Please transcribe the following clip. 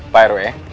pak rw ya